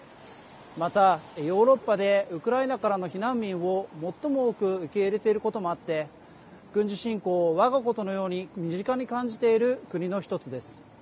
また、ヨーロッパでウクライナからの避難民を最も多く受け入れていることもあって軍事侵攻を我がことのように身近に感じている国の１つです。